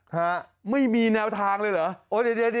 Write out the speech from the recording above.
ฮะไม่มีแนวทางเลยเหรอ